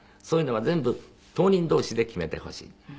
そういうのは全部当人同士で決めてほしい。